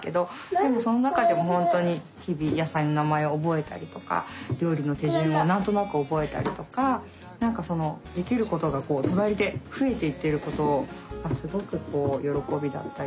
でもその中でも本当に日々野菜の名前を覚えたりとか料理の手順を何となく覚えたりとか何かそのできることが隣で増えていっていることをすごく喜びだったり。